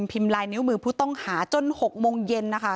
พิมพ์ไลน์นิ้วมือผู้ต้องหาจน๖โมงเย็นนะคะ